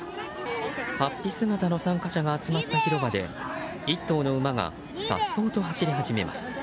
法被姿の参加者が集まった広場で１頭の馬が颯爽と走り始めます。